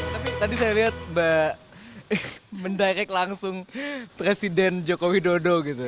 tapi tadi saya lihat mbak mendirect langsung presiden jokowi dodo